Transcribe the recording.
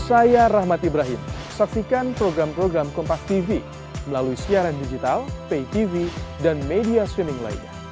saya rahmat ibrahim saksikan program program kompastv melalui siaran digital paytv dan media streaming lainnya